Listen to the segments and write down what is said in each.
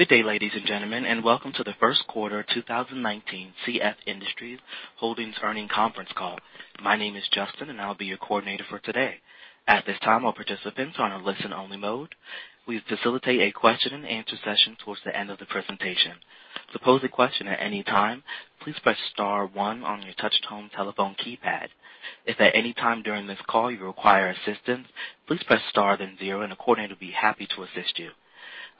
Good day, ladies and gentlemen, and welcome to the first quarter 2019 CF Industries Holdings Earnings Conference Call. My name is Justin, and I'll be your coordinator for today. At this time, all participants are on a listen-only mode. We facilitate a question and answer session towards the end of the presentation. To pose a question at any time, please press star one on your touchtone telephone keypad. If at any time during this call you require assistance, please press star then zero, and a coordinator will be happy to assist you.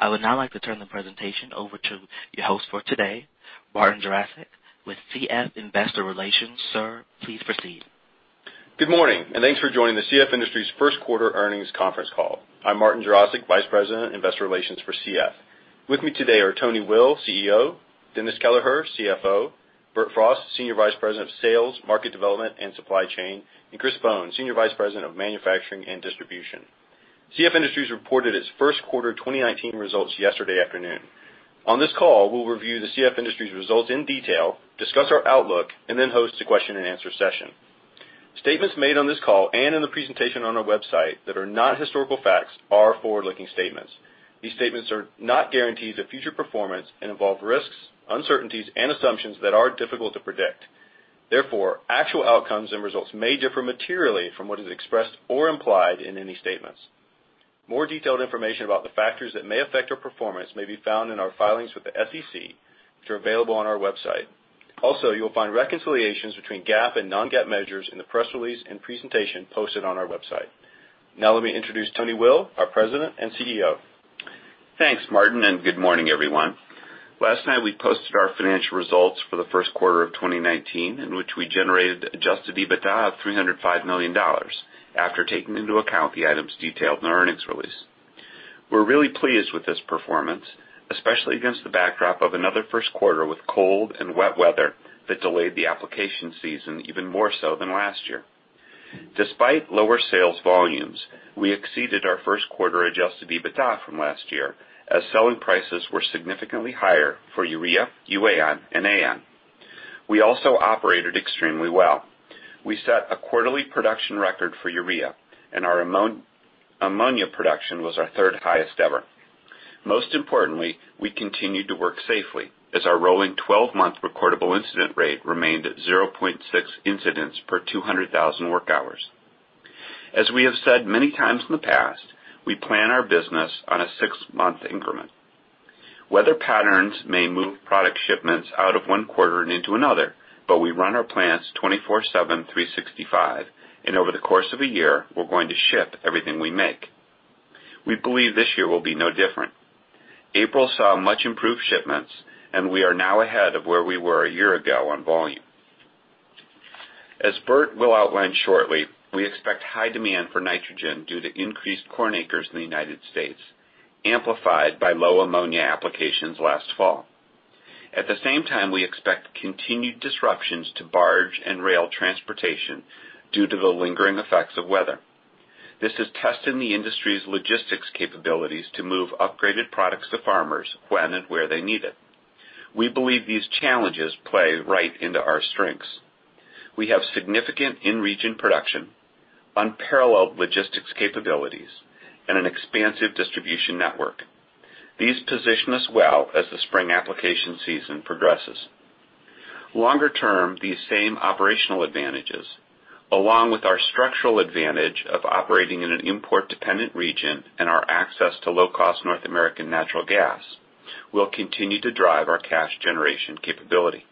I would now like to turn the presentation over to your host for today, Martin Jarosick, with CF Investor Relations. Sir, please proceed. Good morning, thanks for joining the CF Industries first quarter earnings conference call. I'm Martin Jarosick, vice president, investor relations for CF. With me today are Tony Will, CEO; Dennis Kelleher, CFO; Bert Frost, senior vice president of sales, market development, and supply chain; and Christopher Bohn, senior vice president of manufacturing and distribution. CF Industries reported its first quarter 2019 results yesterday afternoon. On this call, we'll review the CF Industries results in detail, discuss our outlook, then host a question and answer session. Statements made on this call and in the presentation on our website that are not historical facts are forward-looking statements. These statements are not guarantees of future performance and involve risks, uncertainties, and assumptions that are difficult to predict. Therefore, actual outcomes and results may differ materially from what is expressed or implied in any statements. More detailed information about the factors that may affect our performance may be found in our filings with the SEC, which are available on our website. Also, you'll find reconciliations between GAAP and non-GAAP measures in the press release and presentation posted on our website. Now let me introduce Tony Will, our President and CEO. Thanks, Martin, good morning, everyone. Last night we posted our financial results for the first quarter of 2019, in which we generated adjusted EBITDA of $305 million after taking into account the items detailed in our earnings release. We're really pleased with this performance, especially against the backdrop of another first quarter with cold and wet weather that delayed the application season even more so than last year. Despite lower sales volumes, we exceeded our first quarter adjusted EBITDA from last year, as selling prices were significantly higher for urea, UAN, and AN. We also operated extremely well. We set a quarterly production record for urea, and our ammonia production was our third highest ever. Most importantly, we continued to work safely as our rolling 12-month recordable incident rate remained at 0.6 incidents per 200,000 work hours. As we have said many times in the past, we plan our business on a six-month increment. Weather patterns may move product shipments out of one quarter and into another, but we run our plants 24/7, 365, and over the course of a year, we are going to ship everything we make. We believe this year will be no different. April saw much improved shipments, and we are now ahead of where we were a year ago on volume. As Bert will outline shortly, we expect high demand for nitrogen due to increased corn acres in the U.S., amplified by low ammonia applications last fall. At the same time, we expect continued disruptions to barge and rail transportation due to the lingering effects of weather. This is testing the industry's logistics capabilities to move upgraded products to farmers when and where they need it. We believe these challenges play right into our strengths. We have significant in-region production, unparalleled logistics capabilities, and an expansive distribution network. These position us well as the spring application season progresses. Longer term, these same operational advantages, along with our structural advantage of operating in an import-dependent region and our access to low-cost North American natural gas, will continue to drive our cash generation capability.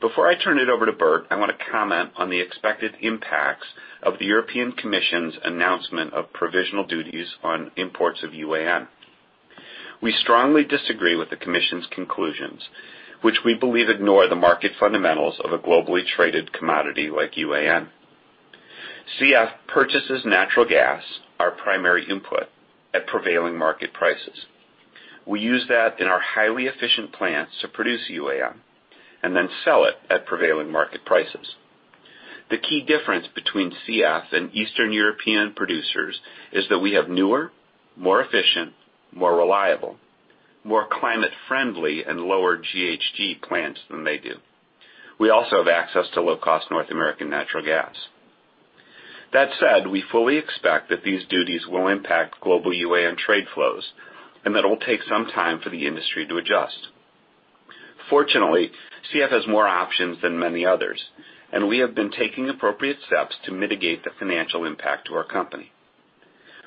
Before I turn it over to Bert, I want to comment on the expected impacts of the European Commission's announcement of provisional duties on imports of UAN. We strongly disagree with the Commission's conclusions, which we believe ignore the market fundamentals of a globally traded commodity like UAN. CF purchases natural gas, our primary input, at prevailing market prices. We use that in our highly efficient plants to produce UAN and then sell it at prevailing market prices. The key difference between CF and Eastern European producers is that we have newer, more efficient, more reliable, more climate friendly, and lower GHG plants than they do. We also have access to low-cost North American natural gas. That said, we fully expect that these duties will impact global UAN trade flows and that it will take some time for the industry to adjust. Fortunately, CF has more options than many others, and we have been taking appropriate steps to mitigate the financial impact to our company.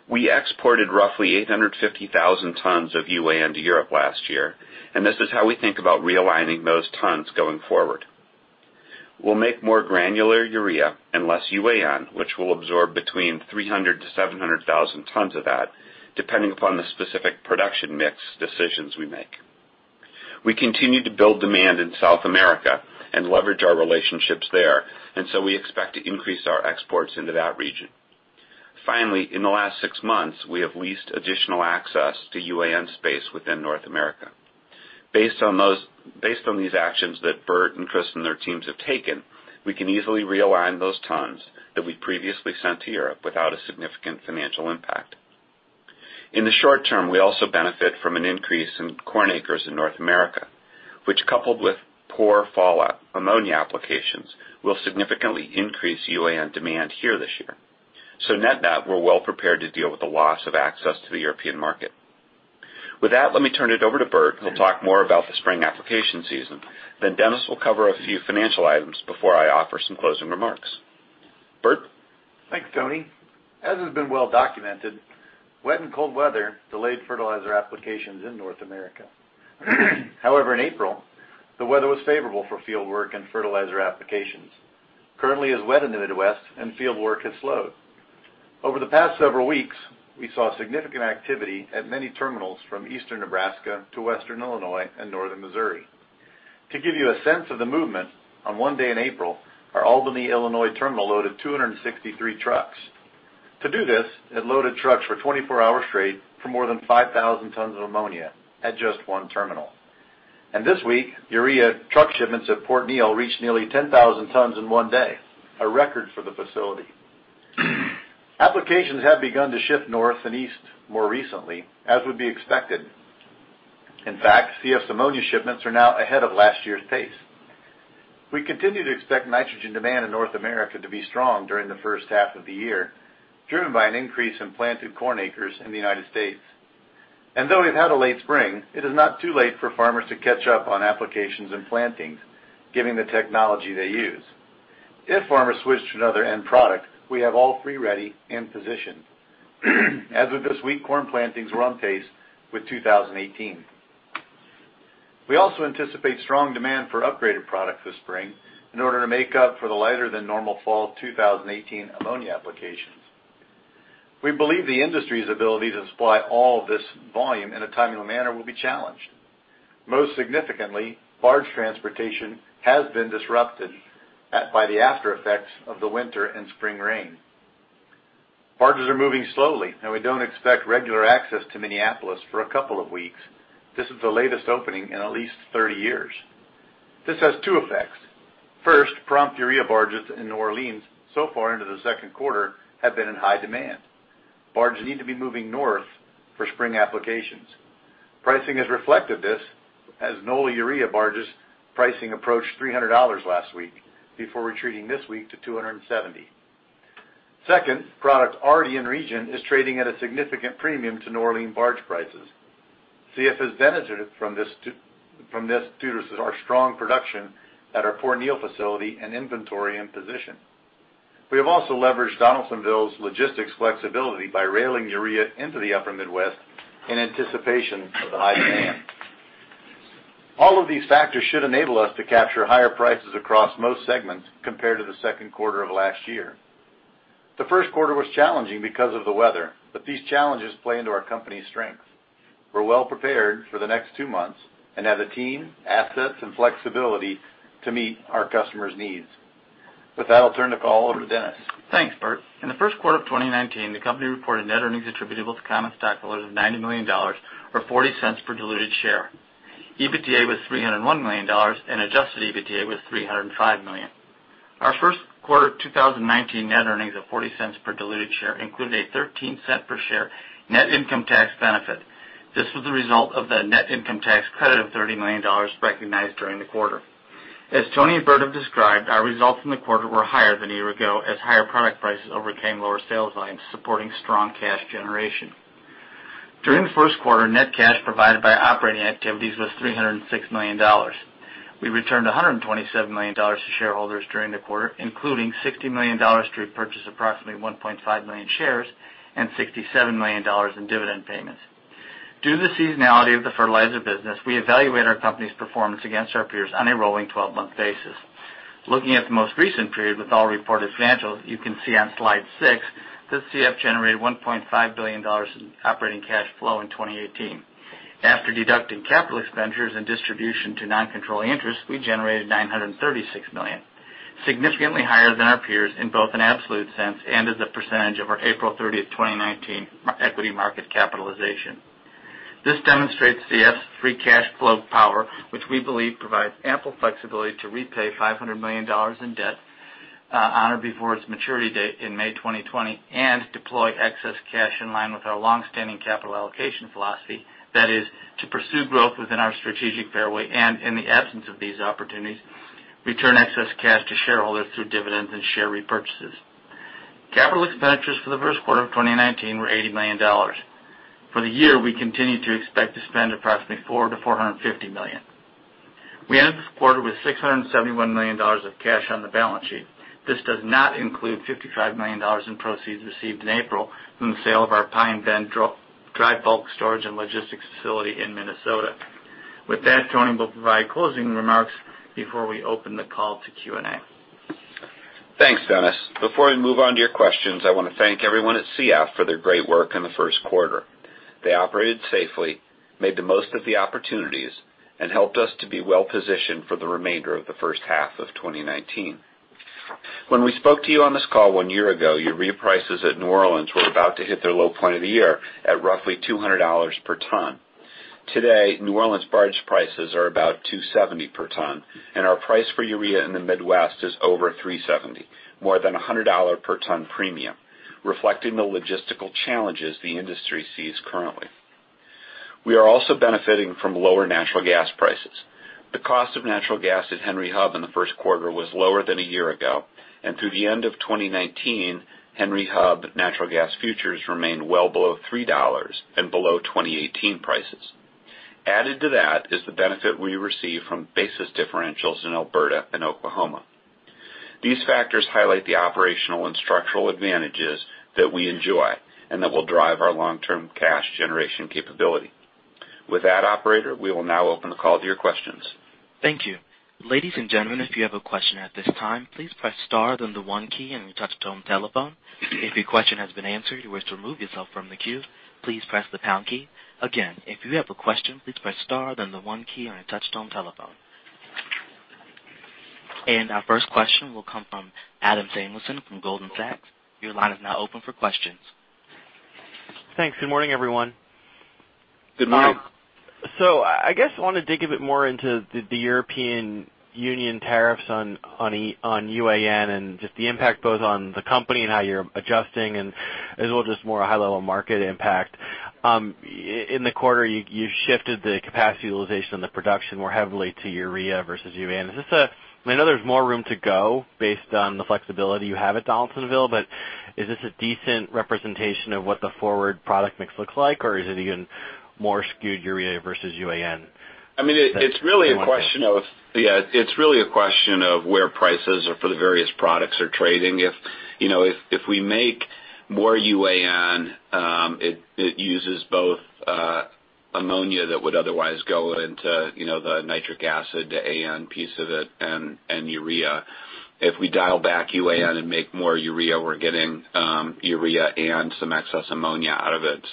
We exported roughly 850,000 tons of UAN to Europe last year, and this is how we think about realigning those tons going forward. We will make more granular urea and less UAN, which will absorb between 300,000-700,000 tons of that, depending upon the specific production mix decisions we make. We continue to build demand in South America and leverage our relationships there. We expect to increase our exports into that region. Finally, in the last six months, we have leased additional access to UAN space within North America. Based on these actions that Bert and Chris and their teams have taken, we can easily realign those tons that we previously sent to Europe without a significant financial impact. In the short term, we also benefit from an increase in corn acres in North America, which, coupled with poor fallout ammonia applications, will significantly increase UAN demand here this year. Net, we are well prepared to deal with the loss of access to the European market. With that, let me turn it over to Bert, who will talk more about the spring application season. Dennis will cover a few financial items before I offer some closing remarks. Bert? Thanks, Tony. As has been well documented, wet and cold weather delayed fertilizer applications in North America. However, in April, the weather was favorable for fieldwork and fertilizer applications. Currently, it is wet in the Midwest, and fieldwork has slowed. Over the past several weeks, we saw significant activity at many terminals from eastern Nebraska to western Illinois and northern Missouri. To give you a sense of the movement, on one day in April, our Albany, Illinois terminal loaded 263 trucks. To do this, it loaded trucks for 24 hours straight for more than 5,000 tons of ammonia at just one terminal. This week, urea truck shipments at Port Neal reached nearly 10,000 tons in one day, a record for the facility. Applications have begun to shift north and east more recently, as would be expected. In fact, CF's ammonia shipments are now ahead of last year's pace. We continue to expect nitrogen demand in North America to be strong during the first half of the year, driven by an increase in planted corn acres in the U.S. Though we've had a late spring, it is not too late for farmers to catch up on applications and plantings, given the technology they use. If farmers switch to another end product, we have all three ready and positioned. As of this week, corn plantings are on pace with 2018. We also anticipate strong demand for upgraded product this spring in order to make up for the lighter than normal fall 2018 ammonia applications. We believe the industry's ability to supply all of this volume in a timely manner will be challenged. Most significantly, barge transportation has been disrupted by the aftereffects of the winter and spring rain. Barges are moving slowly, and we don't expect regular access to Minneapolis for a couple of weeks. This is the latest opening in at least 30 years. This has two effects. First, prompt urea barges in New Orleans so far into the second quarter have been in high demand. Barges need to be moving north for spring applications. Pricing has reflected this, as NOLA urea barges pricing approached $300 last week before retreating this week to $270. Second, product already in region is trading at a significant premium to New Orleans barge prices. CF has benefited from this due to our strong production at our Port Neal facility and inventory in position. We have also leveraged Donaldsonville's logistics flexibility by railing urea into the upper Midwest in anticipation of the high demand. All of these factors should enable us to capture higher prices across most segments compared to the second quarter of last year. The first quarter was challenging because of the weather, but these challenges play into our company's strength. We're well prepared for the next two months and have the team, assets, and flexibility to meet our customers' needs. With that, I'll turn the call over to Dennis. Thanks, Bert. In the first quarter of 2019, the company reported net earnings attributable to common stockholders of $90 million or $0.40 per diluted share. EBITDA was $301 million, and adjusted EBITDA was $305 million. Our first quarter 2019 net earnings of $0.40 per diluted share included a $0.13 per share net income tax benefit. This was the result of the net income tax credit of $30 million recognized during the quarter. As Tony and Bert have described, our results in the quarter were higher than a year ago as higher product prices overcame lower sales volumes, supporting strong cash generation. During the first quarter, net cash provided by operating activities was $306 million. We returned $127 million to shareholders during the quarter, including $60 million to repurchase approximately 1.5 million shares and $67 million in dividend payments. Due to the seasonality of the fertilizer business, we evaluate our company's performance against our peers on a rolling 12-month basis. Looking at the most recent period with all reported financials, you can see on slide six that CF generated $1.5 billion in operating cash flow in 2018. After deducting capital expenditures and distribution to non-controlling interests, we generated $936 million, significantly higher than our peers in both an absolute sense and as a percentage of our April 30th, 2019 equity market capitalization. This demonstrates CF's free cash flow power, which we believe provides ample flexibility to repay $500 million in debt on or before its maturity date in May 2020 and deploy excess cash in line with our longstanding capital allocation philosophy. That is, to pursue growth within our strategic fairway and, in the absence of these opportunities, return excess cash to shareholders through dividends and share repurchases. Capital expenditures for the first quarter of 2019 were $80 million. For the year, we continue to expect to spend approximately $400 million-$450 million. We ended this quarter with $671 million of cash on the balance sheet. This does not include $55 million in proceeds received in April from the sale of our Pine Bend dry bulk storage and logistics facility in Minnesota. With that, Tony will provide closing remarks before we open the call to Q&A. Thanks, Dennis. Before we move on to your questions, I want to thank everyone at CF for their great work in the first quarter. They operated safely, made the most of the opportunities, and helped us to be well-positioned for the remainder of the first half of 2019. When we spoke to you on this call one year ago, urea prices at New Orleans were about to hit their low point of the year at roughly $200 per ton. Today, New Orleans barge prices are about $270 per ton, and our price for urea in the Midwest is over $370, more than $100 per ton premium, reflecting the logistical challenges the industry sees currently. We are also benefiting from lower natural gas prices. The cost of natural gas at Henry Hub in the first quarter was lower than a year ago. Through the end of 2019, Henry Hub natural gas futures remained well below $3 and below 2018 prices. Added to that is the benefit we receive from basis differentials in Alberta and Oklahoma. These factors highlight the operational and structural advantages that we enjoy and that will drive our long-term cash generation capability. With that, operator, we will now open the call to your questions. Thank you. Ladies and gentlemen, if you have a question at this time, please press star then the one key on your touch-tone telephone. If your question has been answered, you wish to remove yourself from the queue, please press the pound key. Again, if you have a question, please press star then the one key on your touch-tone telephone. Our first question will come from Adam Samuelson from Goldman Sachs. Your line is now open for questions. Thanks. Good morning, everyone. Good morning. I guess I wanted to dig a bit more into the European Union tariffs on UAN and just the impact both on the company and how you're adjusting as well, just more high-level market impact. In the quarter, you've shifted the capacity utilization and the production more heavily to urea versus UAN. I know there's more room to go based on the flexibility you have at Donaldsonville, but is this a decent representation of what the forward product mix looks like, or is it even more skewed urea versus UAN? It's really a question of where prices are for the various products are trading. If we make more UAN, it uses both ammonia that would otherwise go into the nitric acid, the AN piece of it, and urea. If we dial back UAN and make more urea, we're getting urea and some excess ammonia out of it.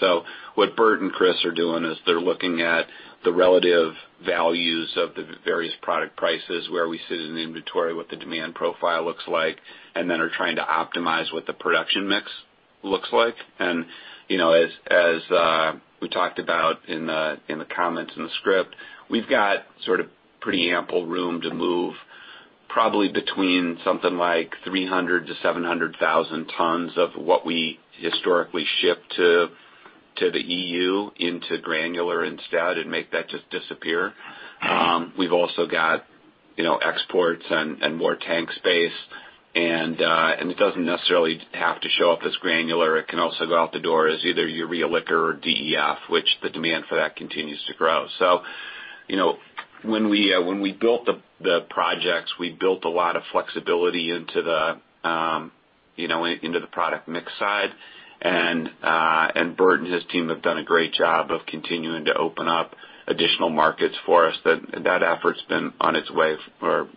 What Bert and Chris are doing is they're looking at the relative values of the various product prices, where we sit in the inventory, what the demand profile looks like, and then are trying to optimize what the production mix looks like. As we talked about in the comments in the script, we've got sort of pretty ample room to move, probably between something like 300,000-700,000 tons of what we historically ship to the EU into granular instead and make that just disappear. We've also got exports and more tank space. It doesn't necessarily have to show up as granular. It can also go out the door as either urea liquor or DEF, which the demand for that continues to grow. When we built the projects, we built a lot of flexibility into the product mix side. Bert and his team have done a great job of continuing to open up additional markets for us. That effort's been underway for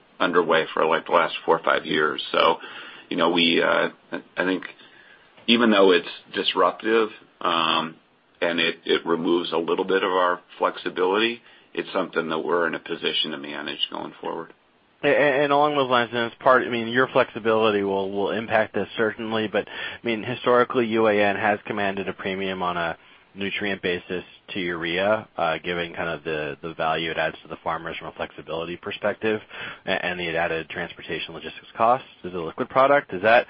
the last four or five years. I think even though it's disruptive, and it removes a little bit of our flexibility, it's something that we're in a position to manage going forward. Along those lines, your flexibility will impact this certainly, but historically, UAN has commanded a premium on a nutrient basis to urea, given the value it adds to the farmers from a flexibility perspective and the added transportation logistics costs as a liquid product. Does that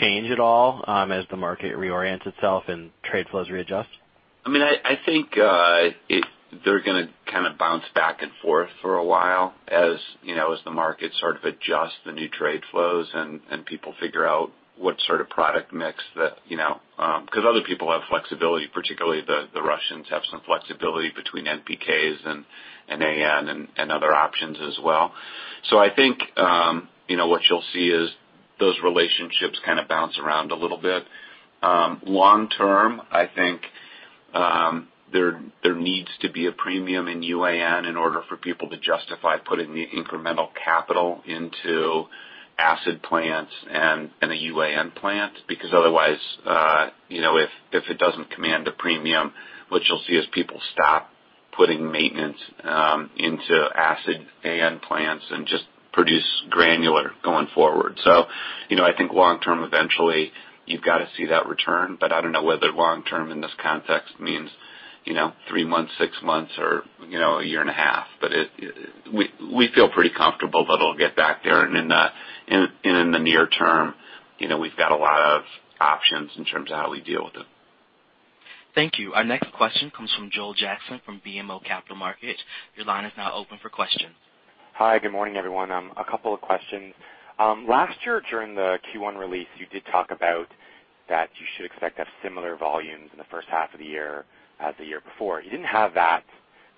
change at all as the market reorients itself and trade flows readjust? I think they're going to bounce back and forth for a while as the market sort of adjusts the new trade flows and people figure out what sort of product mix because other people have flexibility, particularly the Russians have some flexibility between NPKs and AN and other options as well. I think what you'll see is those relationships bounce around a little bit. Long term, I think there needs to be a premium in UAN in order for people to justify putting the incremental capital into acid plants and a UAN plant, because otherwise, if it doesn't command a premium, what you'll see is people stop putting maintenance into acid AN plants and just produce granular going forward. I think long term, eventually you've got to see that return, but I don't know whether long term in this context means three months, six months, or a year and a half. We feel pretty comfortable that it'll get back there. In the near term we've got a lot of options in terms of how we deal with it. Thank you. Our next question comes from Joel Jackson from BMO Capital Markets. Your line is now open for questions. Hi. Good morning, everyone. A couple of questions. Last year during the Q1 release, you did talk about that you should expect to have similar volumes in the first half of the year as the year before. You didn't have that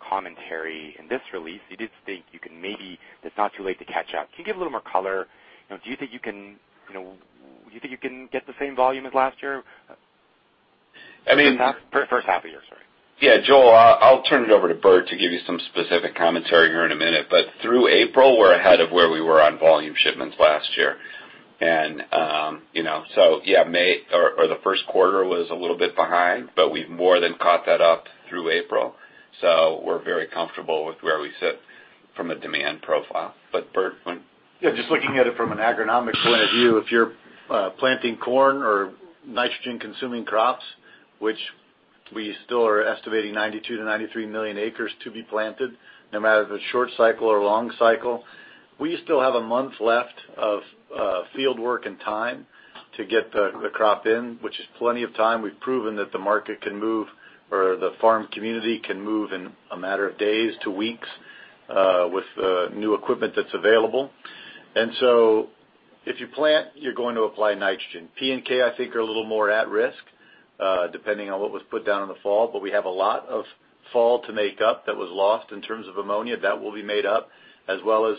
commentary in this release. You did state you can it's not too late to catch up. Can you give a little more color? Do you think you can get the same volume as last year? I mean. First half of the year. Sorry. Yeah. Joel, I'll turn it over to Bert to give you some specific commentary here in a minute. Through April, we're ahead of where we were on volume shipments last year. Yeah, May or the first quarter was a little bit behind, but we've more than caught that up through April. We're very comfortable with where we sit from a demand profile. Bert, when. Yeah, just looking at it from an agronomic point of view, if you're planting corn or nitrogen-consuming crops, which we still are estimating 92 million acres-93 million acres to be planted, no matter the short cycle or long cycle. We still have a month left of field work and time to get the crop in, which is plenty of time. We've proven that the market can move, or the farm community can move in a matter of days to weeks with the new equipment that's available. If you plant, you're going to apply nitrogen. P and K, I think, are a little more at risk depending on what was put down in the fall, but we have a lot of fall to make up that was lost in terms of ammonia. That will be made up, as well as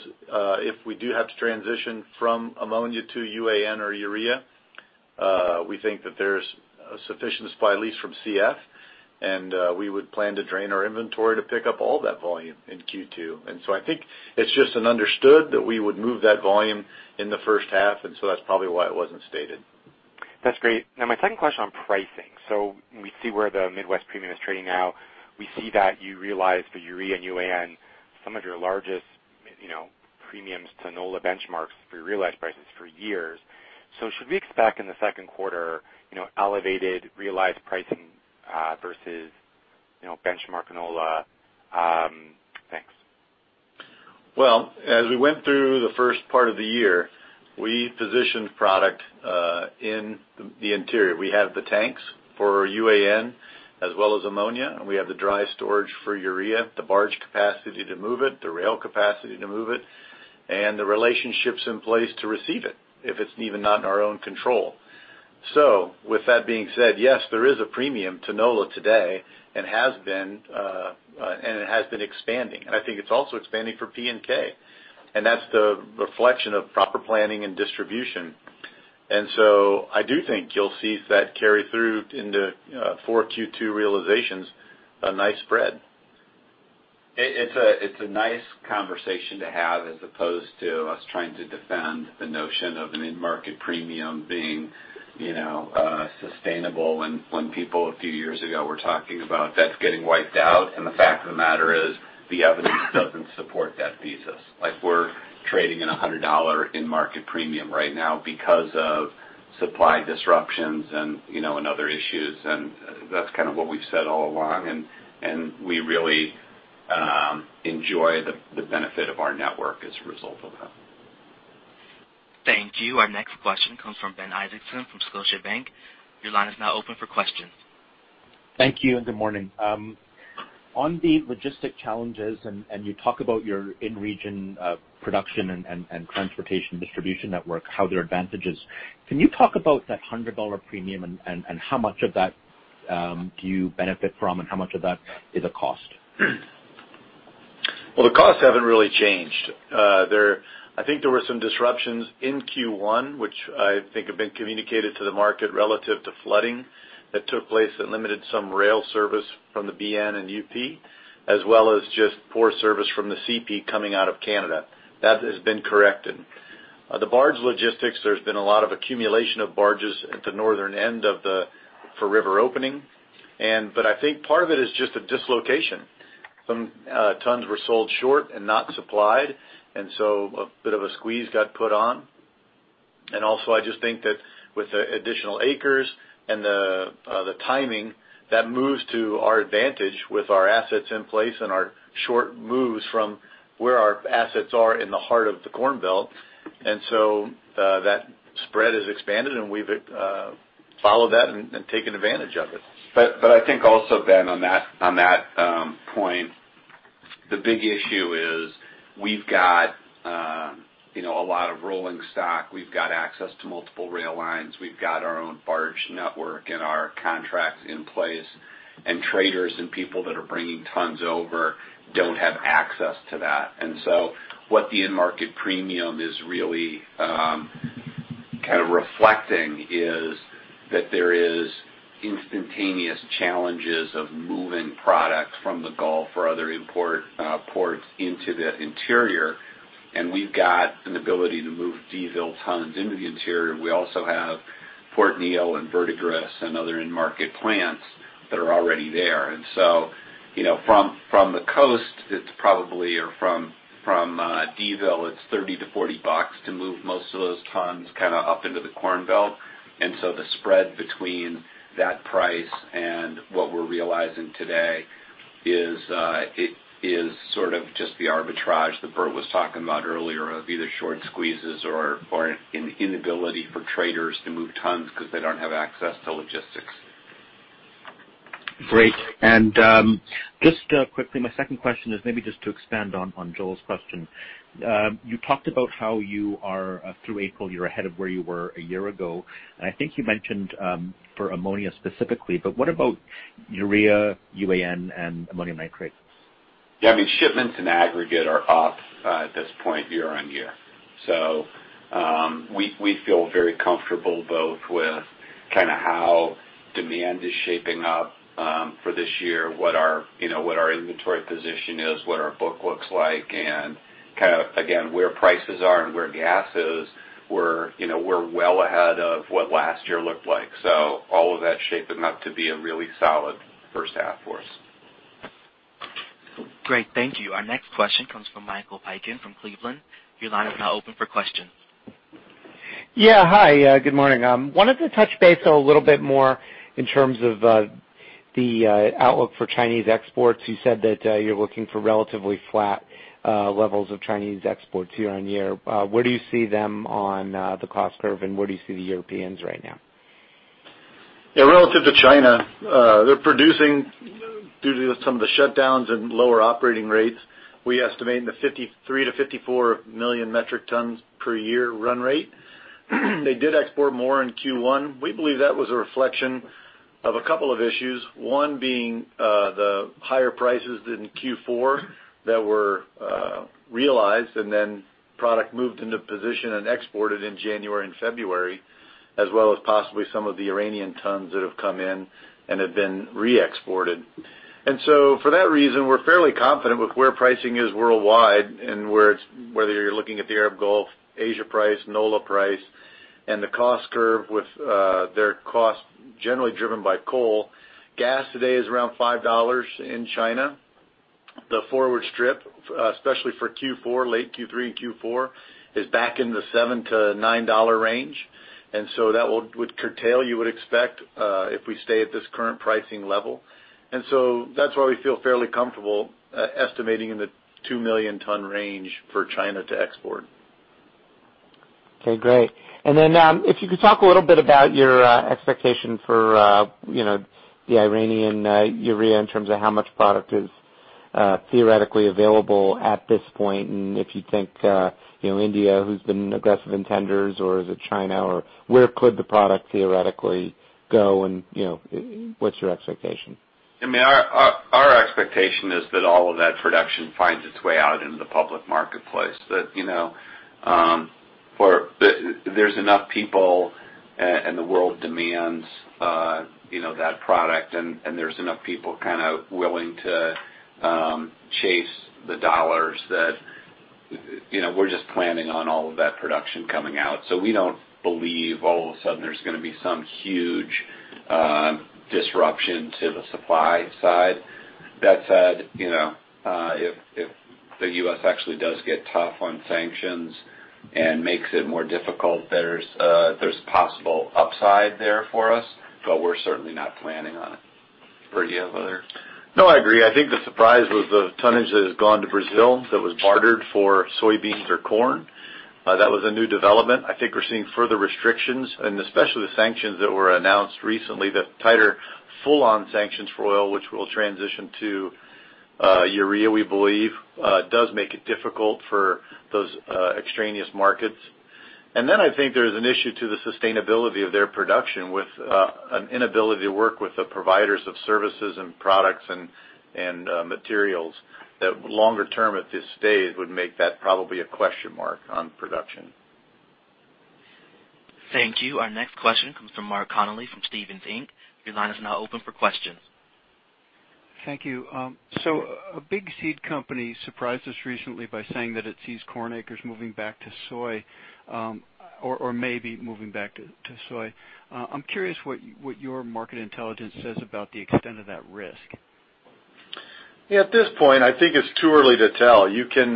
if we do have to transition from ammonia to UAN or Urea, we think that there's sufficient supply, at least from CF, we would plan to drain our inventory to pick up all that volume in Q2. I think it's just an understood that we would move that volume in the first half, that's probably why it wasn't stated. That's great. Now my second question on pricing. We see where the Midwest premium is trading now. We see that you realized for Urea and UAN some of your largest premiums to NOLA benchmarks for realized prices for years. Should we expect in the second quarter elevated realized pricing versus benchmark NOLA? Thanks. Well, as we went through the first part of the year, we positioned product in the interior. We have the tanks for UAN as well as ammonia, and we have the dry storage for urea, the barge capacity to move it, the rail capacity to move it, and the relationships in place to receive it if it's even not in our own control. With that being said, yes, there is a premium to NOLA today and it has been expanding. I think it's also expanding for P and K. That's the reflection of proper planning and distribution. I do think you'll see that carry through into for Q2 realizations, a nice spread. It's a nice conversation to have as opposed to us trying to defend the notion of an in-market premium being sustainable when people a few years ago were talking about that getting wiped out. The fact of the matter is the evidence doesn't support that thesis. We're trading in $100 in market premium right now because of supply disruptions and other issues, that's kind of what we've said all along. We really enjoy the benefit of our network as a result of that. Thank you. Our next question comes from Ben Isaacson from Scotiabank. Your line is now open for questions. Thank you. Good morning. On the logistic challenges. You talk about your in-region production and transportation distribution network, how they are advantages. Can you talk about that $100 premium and how much of that do you benefit from and how much of that is a cost? Well, the costs haven't really changed. I think there were some disruptions in Q1, which I think have been communicated to the market relative to flooding that took place that limited some rail service from the BN and UP, as well as just poor service from the CP coming out of Canada. That has been corrected. The barge logistics, there's been a lot of accumulation of barges at the northern end of the river opening. I think part of it is just a dislocation. Some tons were sold short and not supplied, so a bit of a squeeze got put on. Also I just think that with the additional acres and the timing, that moves to our advantage with our assets in place and our short moves from where our assets are in the heart of the corn belt. That spread has expanded, and we've followed that and taken advantage of it. I think also, Ben, on that point, the big issue is we've got a lot of rolling stock. We've got access to multiple rail lines. We've got our own barge network and our contracts in place. Traders and people that are bringing tons over don't have access to that. What the end market premium is really kind of reflecting is that there is instantaneous challenges of moving product from the Gulf or other import ports into the interior, and we've got an ability to move Donaldsonville tons into the interior. We also have Port Neal and Verdigris and other end market plants that are already there. From the coast, it's probably or from Donaldsonville, it's $30-$40 to move most of those tons up into the corn belt. The spread between that price and what we're realizing today is sort of just the arbitrage that Bert was talking about earlier of either short squeezes or an inability for traders to move tons because they don't have access to logistics. Great. Just quickly, my second question is maybe just to expand on Joel's question. You talked about how you are through April, you're ahead of where you were a year ago. I think you mentioned for Ammonia specifically, but what about urea, UAN and ammonium nitrates? Yeah. Shipments and aggregate are up at this point year-on-year. We feel very comfortable both with how demand is shaping up for this year, what our inventory position is, what our book looks like, and again, where prices are and where gas is. We're well ahead of what last year looked like. All of that's shaping up to be a really solid first half for us. Great. Thank you. Our next question comes from Michael Piken from Cleveland. Your line is now open for questions. Yeah. Hi, good morning. Wanted to touch base a little bit more in terms of the outlook for Chinese exports. You said that you're looking for relatively flat levels of Chinese exports year-over-year. Where do you see them on the cost curve, and where do you see the Europeans right now? Yeah, relative to China, they're producing, due to some of the shutdowns and lower operating rates, we estimate in the 53 million-54 million metric tons per year run rate. They did export more in Q1. We believe that was a reflection of a couple of issues, one being the higher prices in Q4 that were realized, then product moved into position and exported in January and February, as well as possibly some of the Iranian tons that have come in and have been re-exported. For that reason, we're fairly confident with where pricing is worldwide and whether you're looking at the Arab Gulf, Asia price, NOLA price, and the cost curve with their cost generally driven by coal. Gas today is around $5 in China. The forward strip, especially for Q4, late Q3 and Q4, is back in the $7-$9 range. That would curtail, you would expect, if we stay at this current pricing level. That's why we feel fairly comfortable estimating in the 2 million-ton range for China to export. Okay, great. If you could talk a little bit about your expectation for the Iranian urea in terms of how much product is theoretically available at this point, if you think India, who's been aggressive in tenders, or is it China, or where could the product theoretically go and what's your expectation? Our expectation is that all of that production finds its way out into the public marketplace. There's enough people, and the world demands that product, and there's enough people willing to chase the dollars that we're just planning on all of that production coming out. We don't believe all of a sudden there's gonna be some huge disruption to the supply side. That said, if the U.S. actually does get tough on sanctions and makes it more difficult, there's possible upside there for us, but we're certainly not planning on it. Bert, do you have other? No, I agree. I think the surprise was the tonnage that has gone to Brazil that was bartered for soybeans or corn. That was a new development. I think we're seeing further restrictions, especially the sanctions that were announced recently, the tighter full-on sanctions for oil, which will transition to urea, we believe, does make it difficult for those extraneous markets. I think there's an issue to the sustainability of their production with an inability to work with the providers of services and products and materials, that longer term, if this stays, would make that probably a question mark on production. Thank you. Our next question comes from Mark Connelly from Stephens Inc. Your line is now open for questions. Thank you. A big seed company surprised us recently by saying that it sees corn acres moving back to soy, or may be moving back to soy. I'm curious what your market intelligence says about the extent of that risk. At this point, I think it's too early to tell. Really,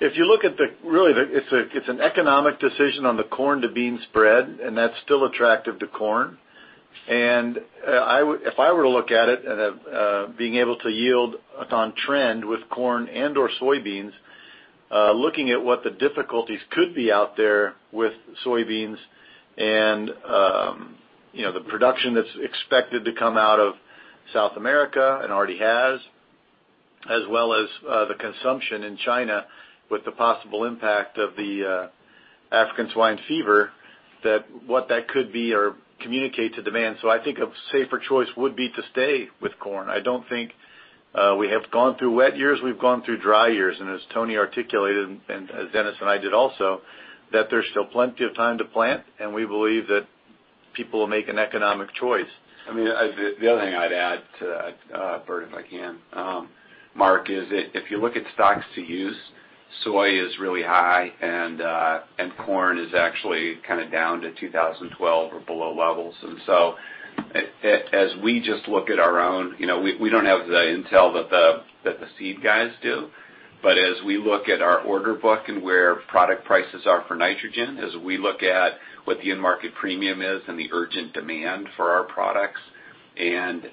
it's an economic decision on the corn to bean spread, and that's still attractive to corn. If I were to look at it, being able to yield on trend with corn and/or soybeans, looking at what the difficulties could be out there with soybeans and the production that's expected to come out of South America, and already has, as well as the consumption in China with the possible impact of the African swine fever, what that could be or communicate to demand. I think a safer choice would be to stay with corn. I don't think we have gone through wet years, we've gone through dry years, and as Tony articulated, and as Dennis and I did also, that there's still plenty of time to plant, and we believe that people will make an economic choice. The other thing I'd add to that, Bert, if I can, Mark, is if you look at stocks to use, soy is really high, and corn is actually down to 2012 or below levels. As we just look at our own, we don't have the intel that the seed guys do. As we look at our order book and where product prices are for nitrogen, as we look at what the end market premium is and the urgent demand for our products, and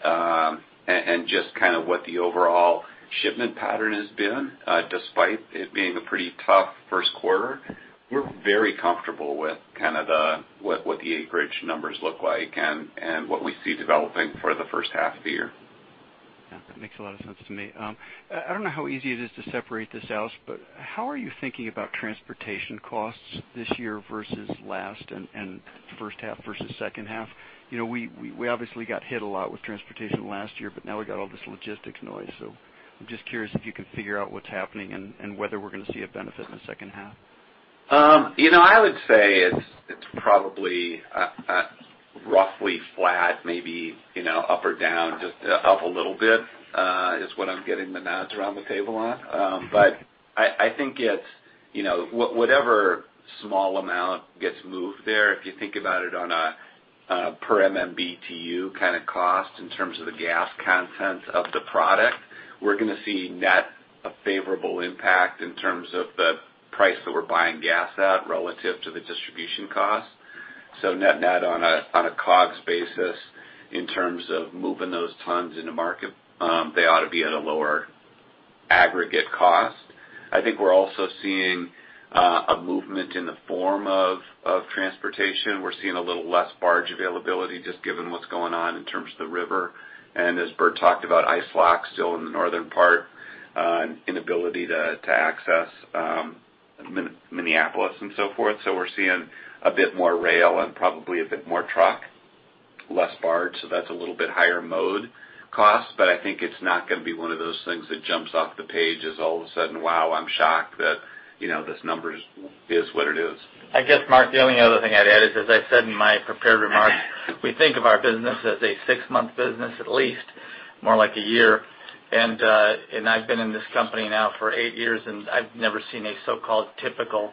just what the overall shipment pattern has been, despite it being a pretty tough first quarter, we're very comfortable with the acreage numbers look like and what we see developing for the first half of the year. Yeah. That makes a lot of sense to me. I don't know how easy it is to separate this out. How are you thinking about transportation costs this year versus last and first half versus second half? We obviously got hit a lot with transportation last year. Now we've got all this logistics noise. I'm just curious if you can figure out what's happening and whether we're gonna see a benefit in the second half. I would say it's probably roughly flat, maybe up or down, just up a little bit, is what I'm getting the nods around the table on. I think it's whatever small amount gets moved there, if you think about it on a per MMBTU cost in terms of the gas content of the product, we're gonna see net a favorable impact in terms of the price that we're buying gas at relative to the distribution cost. Net on a COGS basis, in terms of moving those tons into market, they ought to be at a lower aggregate cost. I think we're also seeing a movement in the form of transportation. We're seeing a little less barge availability, just given what's going on in terms of the river. As Bert talked about, ice lock still in the northern part, inability to access Minneapolis and so forth. We're seeing a bit more rail and probably a bit more truck, less barge. That's a little bit higher mode cost, but I think it's not going to be one of those things that jumps off the page as all of a sudden, wow, I'm shocked that this number is what it is. I guess, Mark, the only other thing I'd add is, as I said in my prepared remarks, we think of our business as a six-month business, at least, more like a year. I've been in this company now for eight years, and I've never seen a so-called typical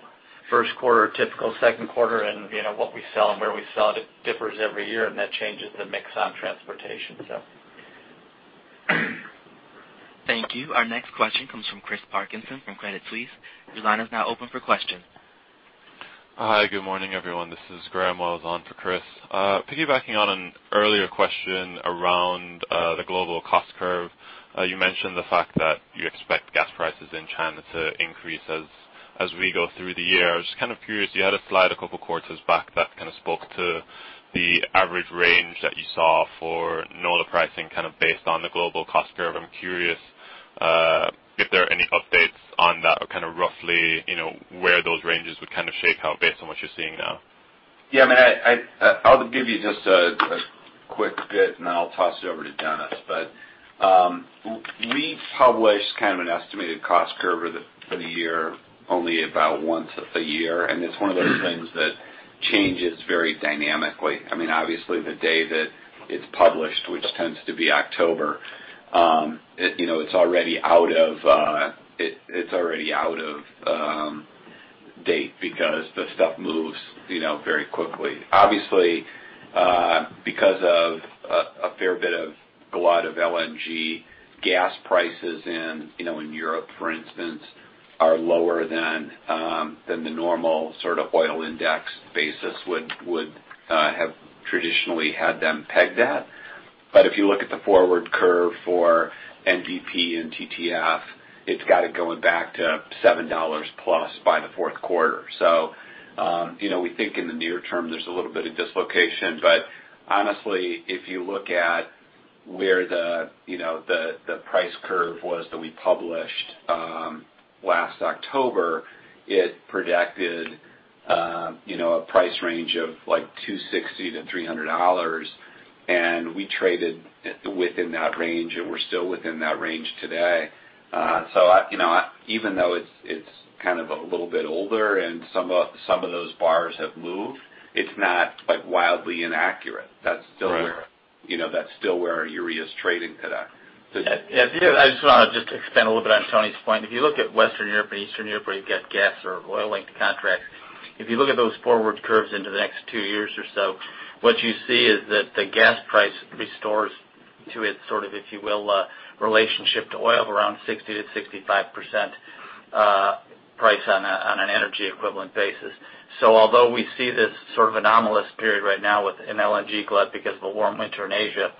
first quarter, typical second quarter. What we sell and where we sell it differs every year, and that changes the mix on transportation. Thank you. Our next question comes from Chris Parkinson from Credit Suisse. Your line is now open for question. Hi. Good morning, everyone. This is Graham Wells on for Chris. Piggybacking on an earlier question around the global cost curve, you mentioned the fact that you expect gas prices in China to increase as we go through the year. I was just kind of curious, you had a slide a couple of quarters back that kind of spoke to the average range that you saw for NOLA pricing based on the global cost curve. I'm curious if there are any updates on that, or kind of roughly where those ranges would kind of shake out based on what you're seeing now. Yeah, I'll give you just a quick bit, then I'll toss it over to Dennis. We publish kind of an estimated cost curve for the year only about once a year, it's one of those things that changes very dynamically. Obviously, the day that it's published, which tends to be October, it's already out of date because the stuff moves very quickly. Obviously, because of a fair bit of glut of LNG, gas prices in Europe, for instance, are lower than the normal sort of oil index basis would have traditionally had them pegged at. But if you look at the forward curve for NBP and TTF, it's got it going back to $7 plus by the fourth quarter. We think in the near term, there's a little bit of dislocation, honestly, if you look at where the price curve was that we published last October, it projected a price range of $260-$300. We traded within that range, and we're still within that range today. Even though it's kind of a little bit older and some of those bars have moved, it's not wildly inaccurate. Right that's still where urea's trading today. Yeah. I just want to just expand a little bit on Tony's point. If you look at Western Europe and Eastern Europe, where you've got gas or oil-linked contracts, if you look at those forward curves into the next two years or so, what you see is that the gas price restores to its sort of, if you will, relationship to oil of around 60%-65% price on an energy equivalent basis. Although we see this sort of anomalous period right now with an LNG glut because of the warm winter in Asia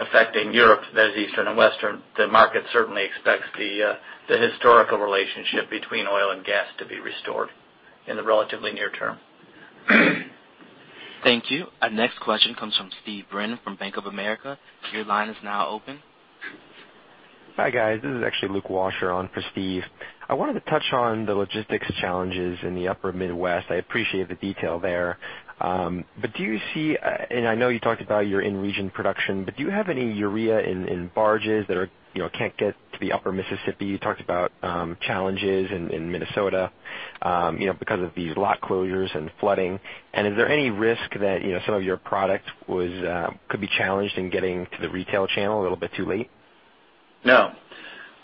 affecting Europe, that is Eastern and Western, the market certainly expects the historical relationship between oil and gas to be restored in the relatively near term. Thank you. Our next question comes from Steve Byrne from Bank of America. Your line is now open. Hi, guys. This is actually Luke Washer on for Steve. I wanted to touch on the logistics challenges in the Upper Midwest. I appreciate the detail there. I know you talked about your in-region production, but do you have any urea in barges that can't get to the Upper Mississippi? You talked about challenges in Minnesota because of these lock closures and flooding. Is there any risk that some of your product could be challenged in getting to the retail channel a little bit too late? No.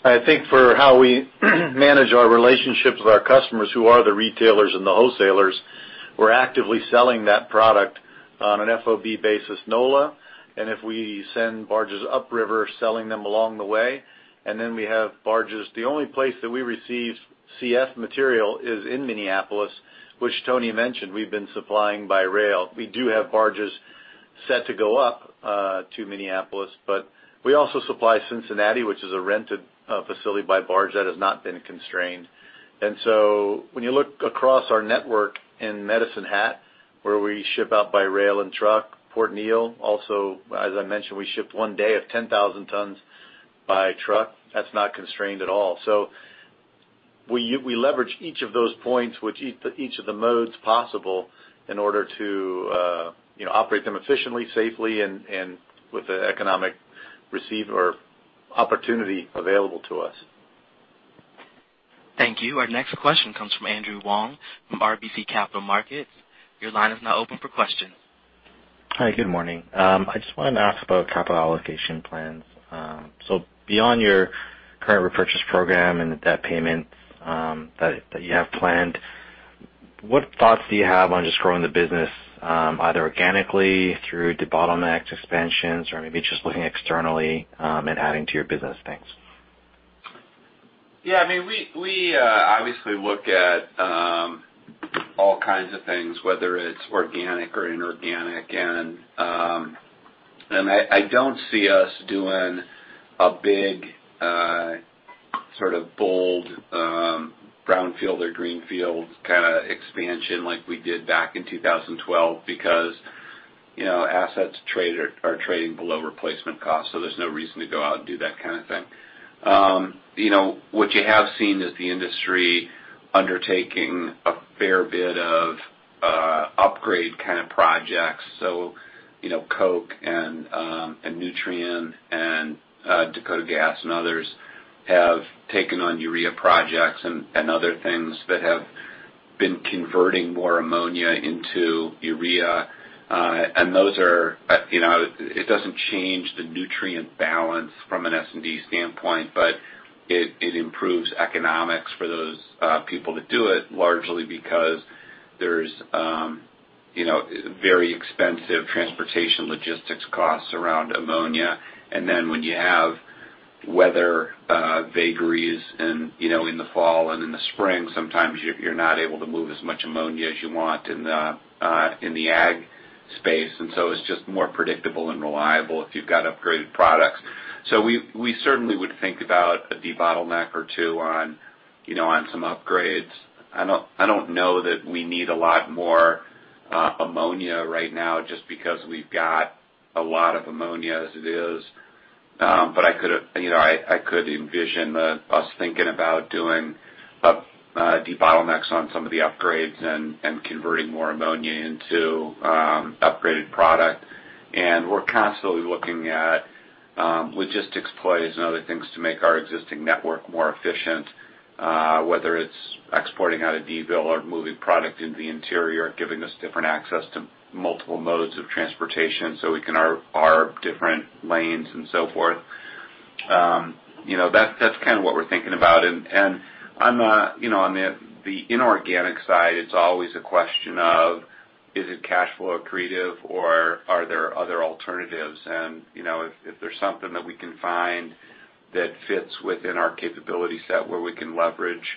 I think for how we manage our relationships with our customers who are the retailers and the wholesalers, we're actively selling that product on an FOB basis, NOLA, and if we send barges upriver, selling them along the way, and then we have barges. The only place that we receive CF material is in Minneapolis, which Tony mentioned we've been supplying by rail. We do have barges set to go up to Minneapolis, but we also supply Cincinnati, which is a rented facility by barge that has not been constrained. When you look across our network in Medicine Hat, where we ship out by rail and truck, Port Neal also, as I mentioned, we shipped one day of 10,000 tons by truck. That's not constrained at all. We leverage each of those points with each of the modes possible in order to operate them efficiently, safely, and with the economic return or opportunity available to us. Thank you. Our next question comes from Andrew Wong from RBC Capital Markets. Your line is now open for questions. Hi, good morning. I just wanted to ask about capital allocation plans. Beyond your current repurchase program and the debt payments that you have planned. What thoughts do you have on just growing the business, either organically through debottleneck expansions or maybe just looking externally, and adding to your business? Thanks. Yeah. We obviously look at all kinds of things, whether it's organic or inorganic. I don't see us doing a big, bold, brownfield or greenfield kind of expansion like we did back in 2012 because assets are trading below replacement cost, there's no reason to go out and do that kind of thing. What you have seen is the industry undertaking a fair bit of upgrade kind of projects. Koch and Nutrien and Dakota Gas and others have taken on urea projects and other things that have been converting more ammonia into urea. It doesn't change the nutrient balance from an S&D standpoint, but it improves economics for those people to do it, largely because there's very expensive transportation logistics costs around ammonia. When you have weather vagaries in the fall and in the spring, sometimes you're not able to move as much ammonia as you want in the ag space. It's just more predictable and reliable if you've got upgraded products. We certainly would think about a debottleneck or two on some upgrades. I don't know that we need a lot more ammonia right now just because we've got a lot of ammonia as it is. I could envision us thinking about doing debottlenecks on some of the upgrades and converting more ammonia into upgraded product. We're constantly looking at logistics plays and other things to make our existing network more efficient, whether it's exporting out of Donaldsonville or moving product into the interior, giving us different access to multiple modes of transportation so we can arb different lanes and so forth. That's kind of what we're thinking about. On the inorganic side, it's always a question of, is it cash flow accretive or are there other alternatives? If there's something that we can find that fits within our capability set where we can leverage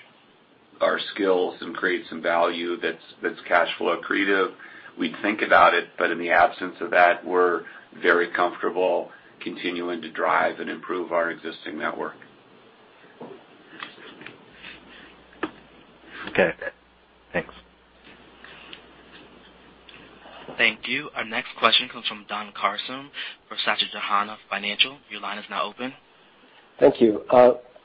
our skills and create some value that's cash flow accretive, we'd think about it. In the absence of that, we're very comfortable continuing to drive and improve our existing network. Okay. Thanks. Thank you. Our next question comes from Don Carson from Susquehanna Financial. Your line is now open. Thank you.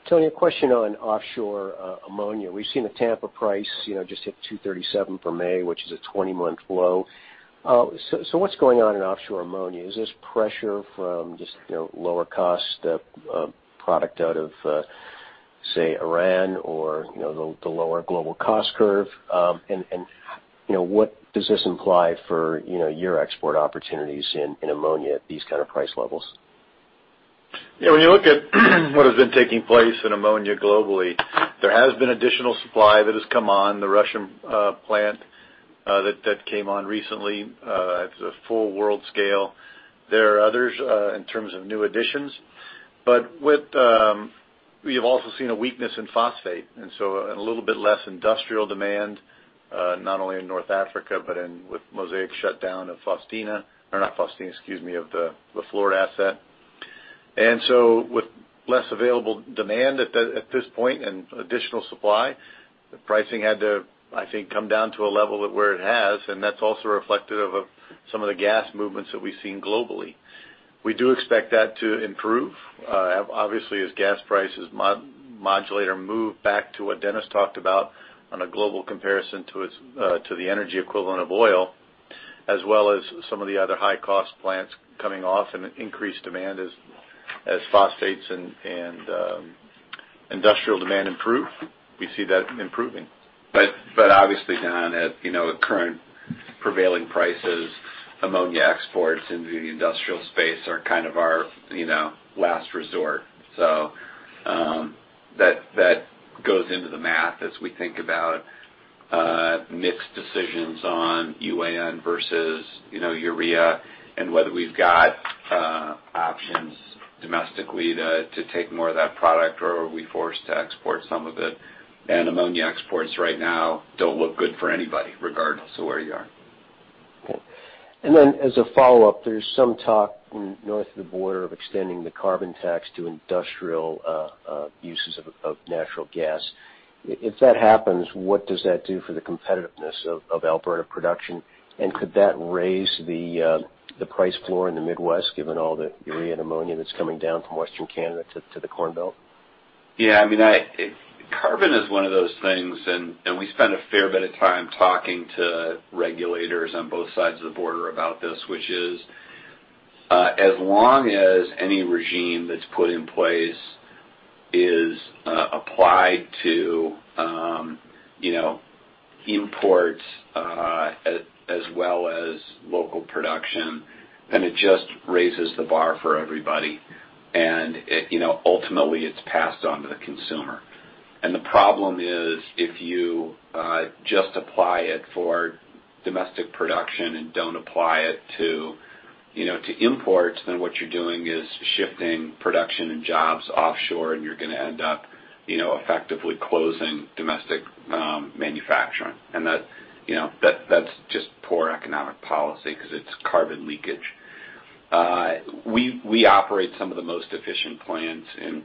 Tony, a question on offshore ammonia. We've seen the Tampa price just hit $237 for May, which is a 20-month low. What's going on in offshore ammonia? Is this pressure from just lower cost product out of, say, Iran or the lower global cost curve? What does this imply for your export opportunities in ammonia at these kind of price levels? Yeah, when you look at what has been taking place in ammonia globally, there has been additional supply that has come on the Russian plant that came on recently at the full world scale. There are others in terms of new additions. We have also seen a weakness in phosphate, and a little bit less industrial demand, not only in North Africa, but with Mosaic's shutdown of the Florida asset. With less available demand at this point and additional supply, the pricing had to, I think, come down to a level where it has, and that's also reflective of some of the gas movements that we've seen globally. We do expect that to improve. Obviously as gas prices modulate or move back to what Dennis talked about on a global comparison to the energy equivalent of oil, as well as some of the other high cost plants coming off and increased demand as phosphates and industrial demand improve. We see that improving. Obviously, Don, at the current prevailing prices, ammonia exports into the industrial space are kind of our last resort. That goes into the math as we think about mix decisions on UAN versus urea, and whether we've got options domestically to take more of that product, or are we forced to export some of it. ammonia exports right now don't look good for anybody, regardless of where you are. Cool. Then as a follow-up, there's some talk north of the border of extending the carbon tax to industrial uses of natural gas. If that happens, what does that do for the competitiveness of Alberta production? Could that raise the price floor in the Midwest, given all the urea and ammonia that's coming down from Western Canada to the Corn Belt? Yeah. Carbon is one of those things, we spend a fair bit of time talking to regulators on both sides of the border about this, which is, as long as any regime that's put in place is applied to imports as well as local production, it just raises the bar for everybody. Ultimately, it's passed on to the consumer. The problem is, if you just apply it for domestic production and don't apply it to imports, what you're doing is shifting production and jobs offshore, you're going to end up effectively closing domestic manufacturing. That's just poor economic policy because it's carbon leakage. We operate some of the most efficient plants in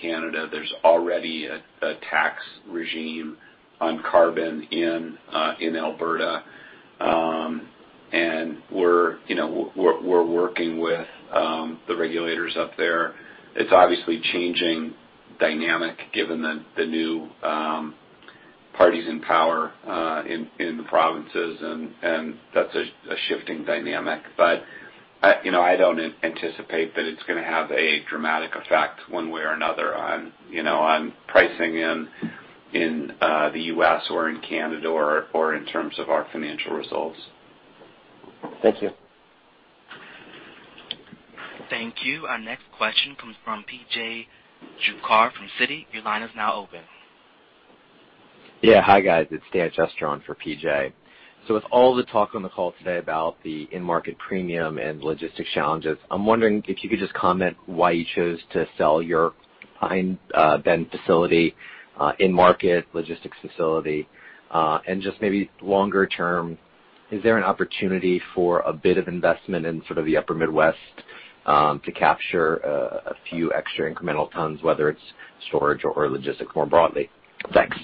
Canada. There's already a tax regime on carbon in Alberta. We're working with the regulators up there. It's obviously a changing dynamic given the new parties in power in the provinces, and that's a shifting dynamic. I don't anticipate that it's going to have a dramatic effect one way or another on pricing in the U.S. or in Canada or in terms of our financial results. Thank you. Thank you. Our next question comes from P.J. Juvekar from Citi. Your line is now open. Hi, guys. It's Dan Chesterman for P.J. With all the talk on the call today about the in-market premium and logistics challenges, I'm wondering if you could just comment why you chose to sell your Pine Bend facility in-market logistics facility. Just maybe longer term, is there an opportunity for a bit of investment in sort of the upper Midwest to capture a few extra incremental tons, whether it's storage or logistics more broadly? Thanks.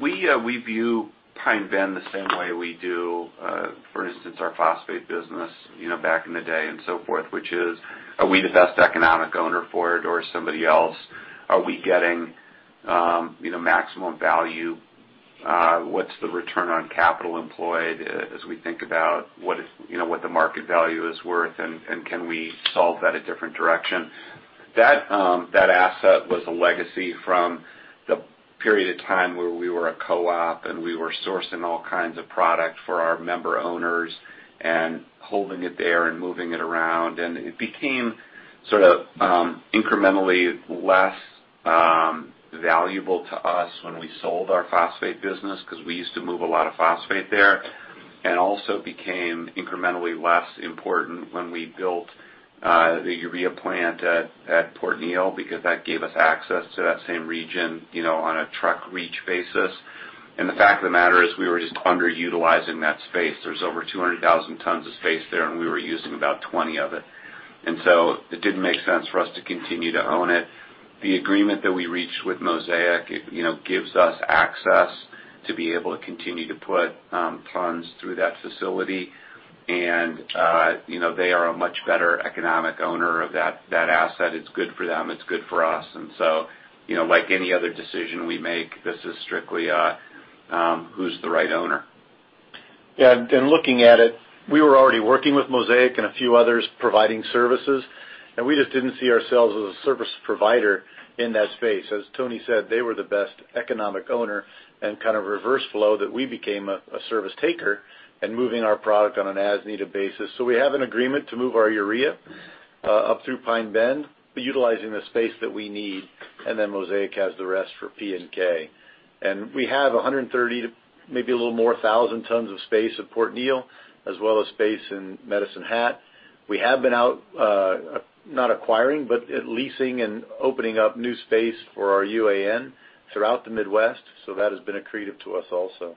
We view Pine Bend the same way we do, for instance, our phosphate business back in the day and so forth, which is, are we the best economic owner for it or somebody else? Are we getting maximum value? What's the return on capital employed as we think about what the market value is worth, and can we solve that a different direction? That asset was a legacy from the period of time where we were a co-op, and we were sourcing all kinds of product for our member owners and holding it there and moving it around. It became sort of incrementally less valuable to us when we sold our phosphate business because we used to move a lot of phosphate there, also became incrementally less important when we built the urea plant at Port Neal because that gave us access to that same region on a truck reach basis. The fact of the matter is we were just underutilizing that space. There's over 200,000 tons of space there, and we were using about 20 of it. So it didn't make sense for us to continue to own it. The agreement that we reached with Mosaic gives us access to be able to continue to put tons through that facility, and they are a much better economic owner of that asset. It's good for them, it's good for us. Like any other decision we make, this is strictly who's the right owner. Yeah. Looking at it, we were already working with Mosaic and a few others providing services, and we just didn't see ourselves as a service provider in that space. As Tony said, they were the best economic owner and kind of reverse flow that we became a service taker and moving our product on an as-needed basis. We have an agreement to move our urea up through Pine Bend, but utilizing the space that we need, and then Mosaic has the rest for P and K. We have 130 to maybe a little more thousand tons of space at Port Neal, as well as space in Medicine Hat. We have been out, not acquiring, but leasing and opening up new space for our UAN throughout the Midwest, that has been accretive to us also.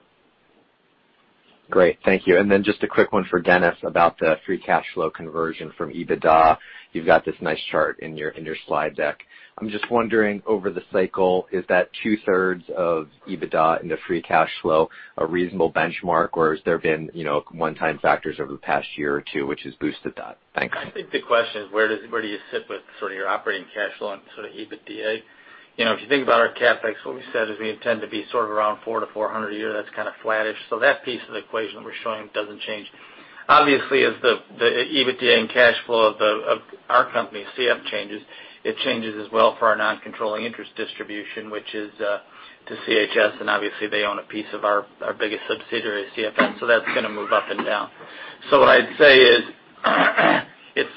Great. Thank you. Just a quick one for Dennis about the free cash flow conversion from EBITDA. You've got this nice chart in your slide deck. I'm just wondering, over the cycle, is that two-thirds of EBITDA into free cash flow a reasonable benchmark, or has there been one-time factors over the past year or two which has boosted that? Thanks. I think the question is where do you sit with sort of your operating cash flow and sort of EBITDA? If you think about our CapEx, what we said is we intend to be sort of around four to 400 a year. That's kind of flattish. That piece of the equation that we're showing doesn't change. Obviously, as the EBITDA and cash flow of our company CF changes, it changes as well for our non-controlling interest distribution, which is to CHS, and obviously they own a piece of our biggest subsidiary, CFN. That's going to move up and down. What I'd say is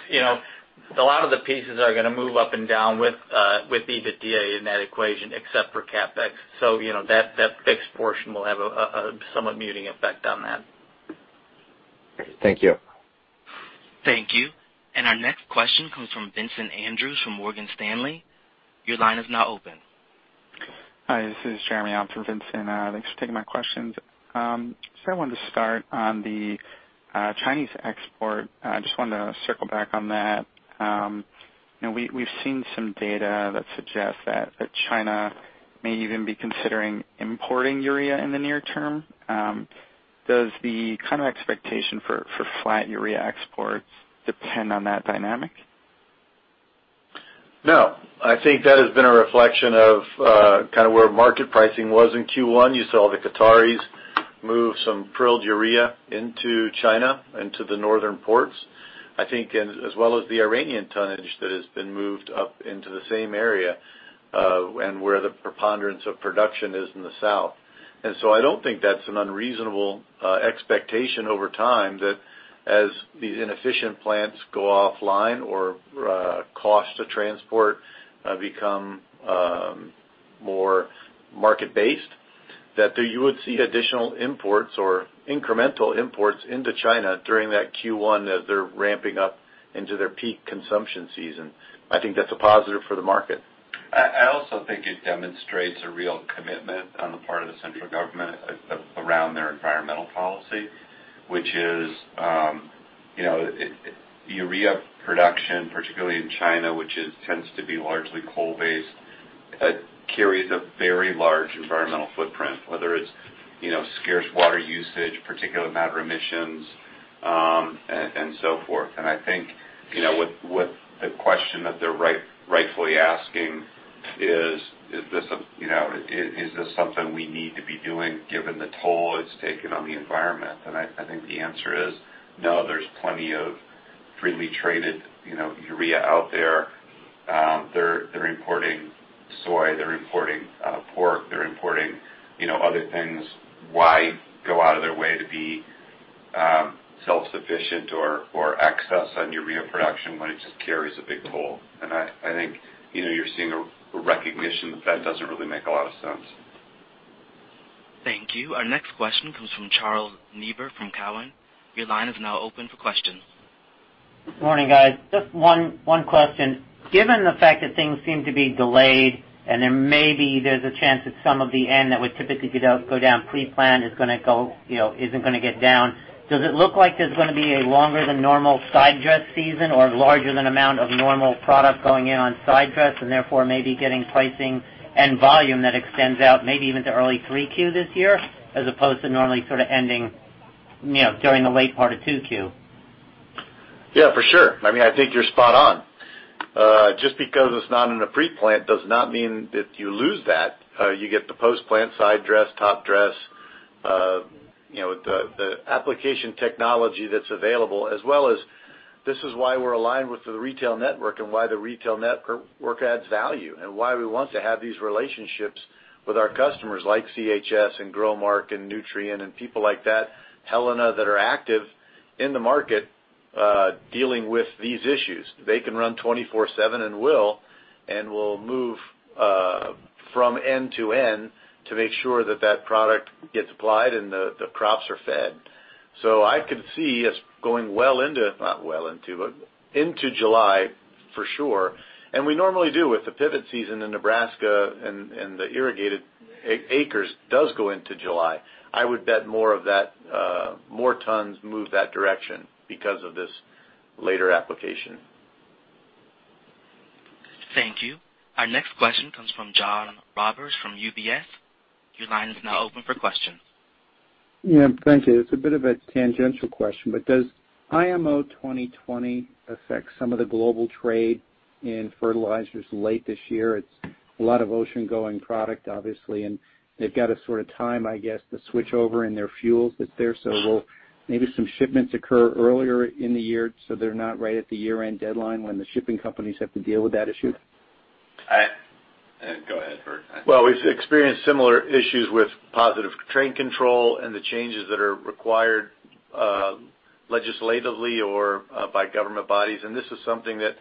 a lot of the pieces are going to move up and down with EBITDA in that equation, except for CapEx. That fixed portion will have a somewhat muting effect on that. Thank you. Thank you. Our next question comes from Vincent Andrews from Morgan Stanley. Your line is now open. Hi, this is Jeremy. I'm for Vincent. Thanks for taking my questions. I wanted to start on the Chinese export. I just wanted to circle back on that. We've seen some data that suggests that China may even be considering importing urea in the near term. Does the kind of expectation for flat urea exports depend on that dynamic? No. I think that has been a reflection of where market pricing was in Q1. You saw the Qataris move some prilled urea into China, into the northern ports, I think as well as the Iranian tonnage that has been moved up into the same area and where the preponderance of production is in the south. I don't think that's an unreasonable expectation over time, that as these inefficient plants go offline or cost to transport become more market-based, that you would see additional imports or incremental imports into China during that Q1 as they're ramping up into their peak consumption season. I think that's a positive for the market. I also think it demonstrates a real commitment on the part of the central government around their environmental policy, which is, urea production, particularly in China, which tends to be largely coal-based, carries a very large environmental footprint, whether it's scarce water usage, particulate matter emissions, and so forth. I think, the question that they're rightfully asking is: Is this something we need to be doing given the toll it's taken on the environment? I think the answer is no. There's plenty of freely traded urea out there. They're importing soy. They're importing pork. They're importing other things. Why go out of their way to be self-sufficient or access on urea production when it just carries a big toll? I think you're seeing a recognition that that doesn't really make a lot of sense. Thank you. Our next question comes from Charles Neivert from Cowen. Your line is now open for questions. Good morning, guys. Just one question. Given the fact that things seem to be delayed and there's a chance that some of the N that would typically go down pre-plant isn't going to get down, does it look like there's going to be a longer than normal side dress season or larger than amount of normal product going in on side dress, and therefore maybe getting pricing and volume that extends out maybe even to early 3Q this year as opposed to normally sort of ending during the late part of 2Q? Yeah, for sure. I think you're spot on. Just because it's not in a pre-plant does not mean that you lose that. You get the post-plant side dress, top dress the application technology that's available, as well as this is why we're aligned with the retail network and why the retail network adds value and why we want to have these relationships with our customers like CHS and GROWMARK and Nutrien and people like that, Helena, that are active in the market dealing with these issues. They can run 24/7 and will move from end to end to make sure that that product gets applied and the crops are fed. I could see us going into July for sure. We normally do with the pivot season in Nebraska and the irrigated acres does go into July. I would bet more tons move that direction because of this later application. Thank you. Our next question comes from John Roberts from UBS. Your line is now open for questions. Yeah. Thank you. It's a bit of a tangential question, does IMO 2020 affect some of the global trade in fertilizers late this year? It's a lot of ocean-going product, obviously, and they've got to sort of time, I guess, the switchover in their fuels that's there. Will maybe some shipments occur earlier in the year so they're not right at the year-end deadline when the shipping companies have to deal with that issue? Go ahead, Bert. We've experienced similar issues with Positive Train Control and the changes that are required legislatively or by government bodies. This is something that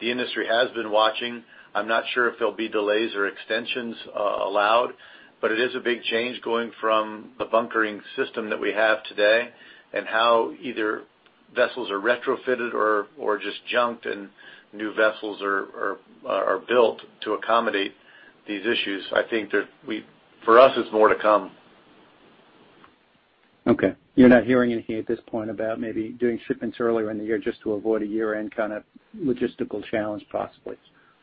the industry has been watching. I'm not sure if there'll be delays or extensions allowed. It is a big change going from the bunkering system that we have today and how either vessels are retrofitted or just junked and new vessels are built to accommodate these issues. I think for us, it's more to come. Okay. You're not hearing anything at this point about maybe doing shipments earlier in the year just to avoid a year-end logistical challenge, possibly?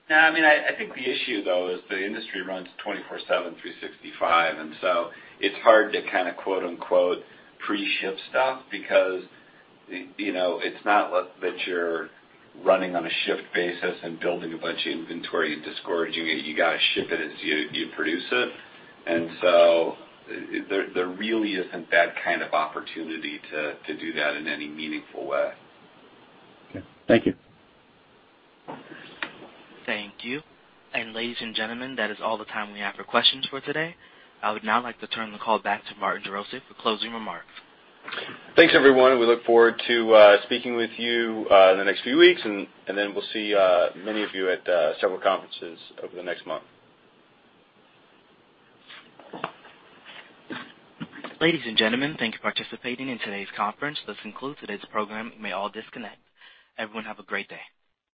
No. I think the issue though is the industry runs 24/7, 365. It's hard to kind of quote-unquote, "Pre-ship stuff" because it's not like that you're running on a shift basis and building a bunch of inventory and discouraging it. You got to ship it as you produce it. There really isn't that kind of opportunity to do that in any meaningful way. Okay. Thank you. Thank you. Ladies and gentlemen, that is all the time we have for questions for today. I would now like to turn the call back to Martin Jarosick for closing remarks. Thanks, everyone. We look forward to speaking with you in the next few weeks, and then we'll see many of you at several conferences over the next month. Ladies and gentlemen, thank you for participating in today's conference. This concludes today's program. You may all disconnect. Everyone have a great day.